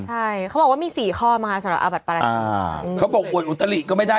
ใช่เขาบอกว่ามีสี่ข้อมหรือไม่ได้